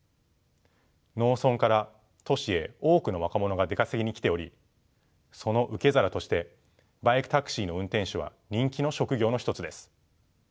農村から都市へ多くの若者が出稼ぎに来ておりその受け皿としてバイクタクシーの運転手は人気の職業の一つです。